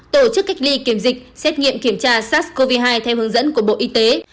tổ chức cách ly kiểm dịch xét nghiệm kiểm tra sars cov hai theo hướng dẫn của bộ y tế